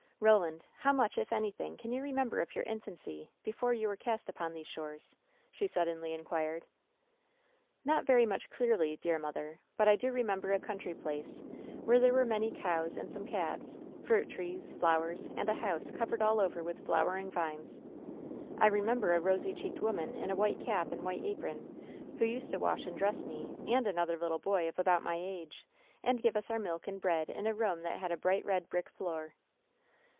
Ro land, how much, if anything, can you remember of your infancy, before you were cast upon these shores?" she suddenly inquired. "Not much very clearly, dear mother. But I do re member a country place, where there were many cowb and some calves, fruit trees, flowers and a house covered all over with flowering vines. I remember a rosy cheeked woman in a white cap and white apron, who used to wash and dress me, and another little boy of about my age, and give us our milk and bread in a room that had a bright red brick floor."